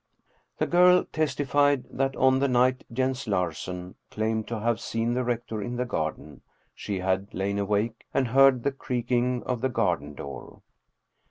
The girl testified that on the night Jens Larsen claimed to have seen the rector in the garden, she had lain awake and heard the creaking of the garden door.